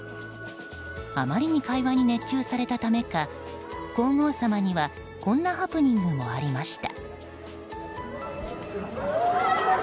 あまりに会話に熱中されたためか皇后さまにはこんなハプニングもありました。